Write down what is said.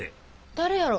誰やろ？